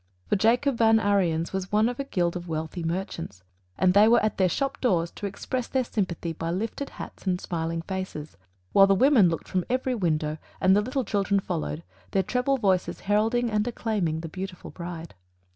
For Jacob Van Ariens was one of a guild of wealthy merchants, and they were at their shop doors to express their sympathy by lifted hats and smiling faces; while the women looked from every window, and the little children followed, their treble voices heralding and acclaiming the beautiful bride.